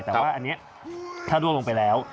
แต่ว่าอันนี้ถ้าร่วงลงไปแล้ว